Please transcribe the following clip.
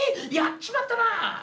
やっちまったな！